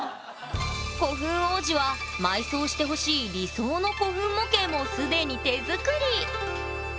古墳王子は埋葬してほしい理想の古墳模型も既に手作り！